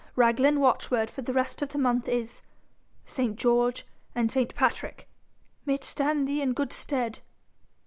Raglan watchword for the rest of the month is ST. GEORGE AND ST. PATRICK! May it stand thee in good stead.'